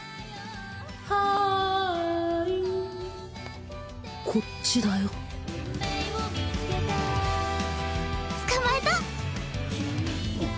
はいこっちだよ捕まえた！